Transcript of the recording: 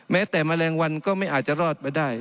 แม้แต่แมลงวันก็ไม่อาจจะรอดมาได้